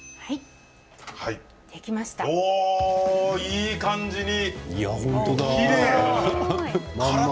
いい感じに！